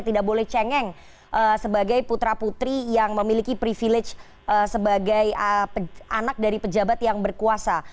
tidak boleh cengeng sebagai putra putri yang memiliki privilege sebagai anak dari pejabat yang berkuasa